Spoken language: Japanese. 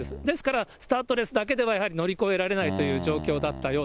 ですから、スタッドレスだけじゃやはり乗り越えられないという状